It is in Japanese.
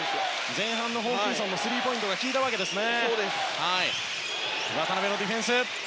前半のホーキンソンのスリーポイントが効いたわけですね。